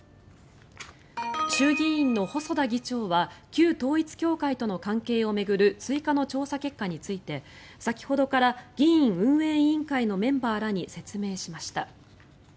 衆議院の細田議長は旧統一教会との関係を巡る追加の調査結果について先ほどから議院運営委員会のメンバーらに説明しました。